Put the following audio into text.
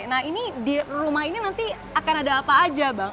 nah ini di rumah ini nanti akan ada apa aja bang